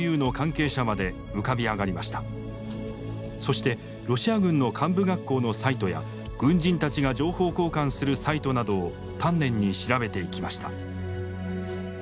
そしてロシア軍の幹部学校のサイトや軍人たちが情報交換するサイトなどを丹念に調べていきました。